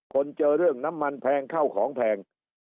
เจอเรื่องน้ำมันแพงเข้าของแพง